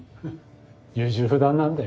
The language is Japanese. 優柔不断なんだよ。